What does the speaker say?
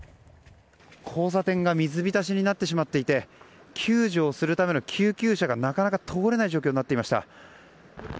交差点が水浸しになってしまっていて救助をするための救急車がなかなか通れない状況になっていました。